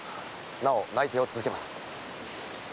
なお内偵を続けます。